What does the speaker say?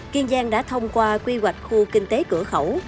kiên giang đã thông qua quy hoạch khu kinh tế cửa khẩu